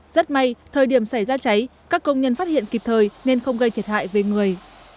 rất may thời điểm xảy ra cháy các công nhân phát hiện kịp thời nên không gây thiệt hại về người